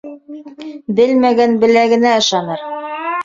Белмәгән беләгенә ышаныр.